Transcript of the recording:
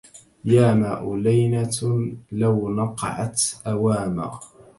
يا ماء لينة لو نقعت أوامى